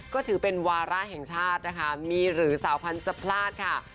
ก็ถือเป็นวาระแห่งชาตินะคะมีหรือสาวพันธุ์จะพลาดค่ะ